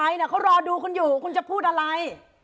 ครับคุณเรามาดูคุณอยู่คุณจะพูดอะไร